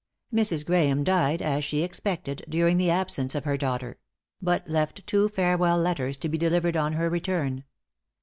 Mrs. Graeme died, as she expected, during the absence of her daughter; but left two farewell letters to be delivered on her return.